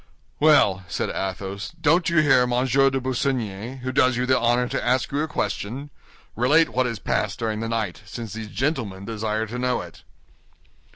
"Well," said Athos, "don't you hear Monsieur de Busigny, who does you the honor to ask you a question? Relate what has passed during the night, since these gentlemen desire to know it."